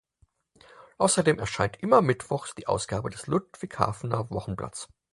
Außerdem erscheint immer mittwochs die Ausgabe des Ludwigshafener Wochenblatts.